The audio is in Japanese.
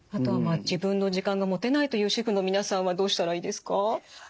自分の時間が持てないという主婦の皆さんはどうしたらいいですか？